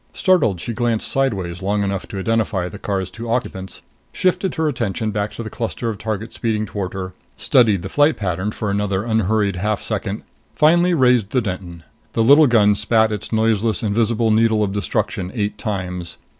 Startled, she glanced sideways long enough to identify the car's two occupants, shifted her attention back to the cluster of targets speeding toward her, studied the flight pattern for another unhurried half second, finally raised the Denton. The little gun spat its noiseless, invisible needle of destruction eight times.